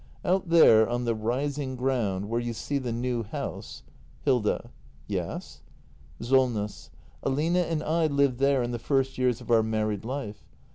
] Out there on the rising ground — where you see the new house Hilda. Yes? Solness. Aline and I lived there in the first years of our married life.